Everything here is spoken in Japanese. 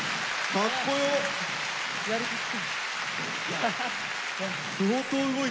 かっこいい。